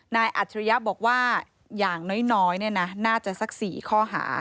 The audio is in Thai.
อัจฉริยะบอกว่าอย่างน้อยน่าจะสัก๔ข้อหา